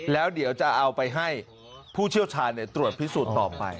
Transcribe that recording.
แล้วเดี๋ยวจะเอาไปให้ผู้เชี่ยวชาญตรวจพิสูจน์ต่อไป